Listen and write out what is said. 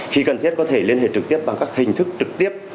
khi cần thiết có thể liên hệ trực tiếp bằng các hình thức trực tiếp